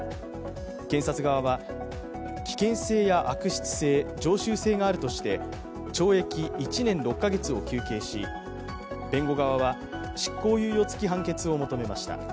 検察側は、危険性や悪質性常習性があるとして懲役１年６カ月を求刑し、弁護側は執行猶予つき判決を求めました。